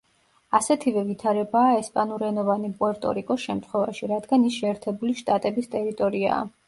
ასეთივე ვითარებაა ესპანურენოვანი პუერტო-რიკოს შემთხვევაში, რადგან ის შეერთებული შტატების ტერიტორიაა.